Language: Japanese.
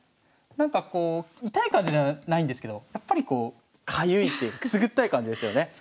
なんかこう痛い感じじゃないんですけどやっぱりこうかゆいっていうくすぐったい感じですよね。